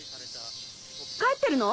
帰ってるの？